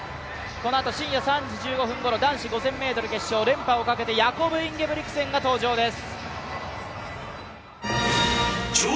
このあと深夜３時１５分ごろ、男子決勝、５０００ｍ決勝、連覇をかけてヤコブ・インゲブリクセンが登場です。